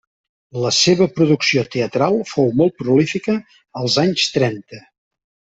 La seva producció teatral fou molt prolífica als anys trenta.